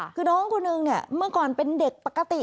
คือน้องคนนึงเนี่ยเมื่อก่อนเป็นเด็กปกติ